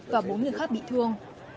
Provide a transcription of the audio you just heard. và bốn người khác bị thương